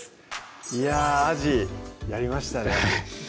いやぁアジやりましたね